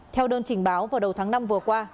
theo đơn trình báo vào đầu tháng năm vừa qua